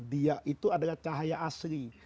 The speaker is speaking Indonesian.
dia itu adalah cahaya asli